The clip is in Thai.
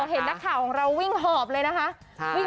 เห็นนักข่าวของเราวิ่งหอบเลยนะคะ